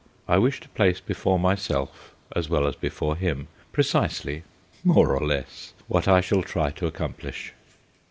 I wish to place before myself, as well as before him, precisely, more or less, what I shall try to accomplish.